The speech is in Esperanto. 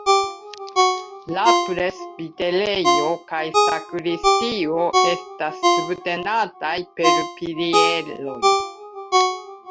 La presbiterejo kaj sakristio estas subtenataj per pilieroj.